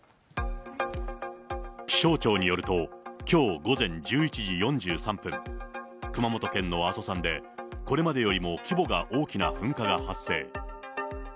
気象庁によると、きょう午前１１時４３分、熊本県の阿蘇山で、これまでよりも規模が大きな噴火が発生。